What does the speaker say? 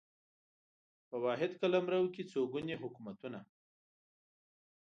په واحد قلمرو کې څو ګوني حکومتونه